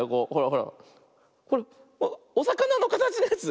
ほらおさかなのかたちのやつ。